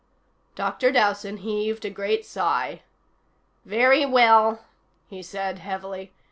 Dr. Dowson heaved a great sigh. "Very well," he said heavily.